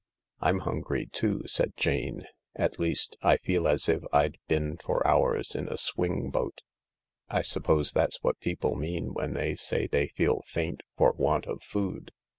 " I'm hungry too," said Jane ; "at least, I feel as if I'd been for hours in a swing boat. I suppose that's what people mean when they say they feel faint for want of food.